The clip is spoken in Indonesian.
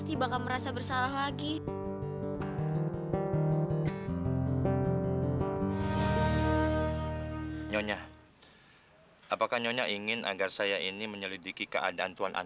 tidak ada yang bisa mencari teman lain